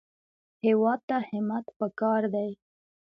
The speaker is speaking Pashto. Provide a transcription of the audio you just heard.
هېواد ته همت پکار دی